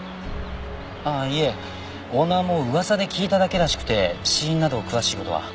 ああいえオーナーも噂で聞いただけらしくて死因など詳しい事は。